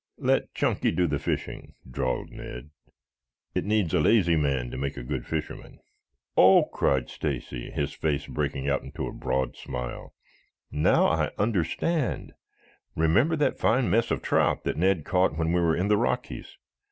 "Let Chunky do the fishing," drawled Ned. "It needs a lazy man to make a good fisherman." "Oh!" cried Stacy, his face breaking out into a broad smile. "Now I understand. Remember that fine mess of trout that Ned caught when we were in the Rockies?